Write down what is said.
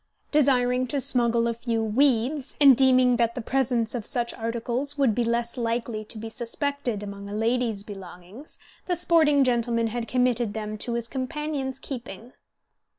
Desiring to smuggle a few "weeds," and deeming that the presence of such articles would be less likely to be suspected among a lady's belongings, the sporting gentleman had committed them to his companion's keeping.